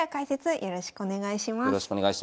よろしくお願いします。